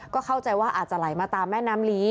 ก็เข้าใจว่าอาจจะไหลมาตามแม่น้ำลี